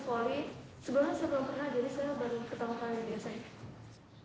sebulan saya belum pernah jadi saya baru ketemu kalian biasanya